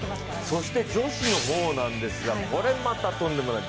そして女子の方なんですがこれまたとんでもない。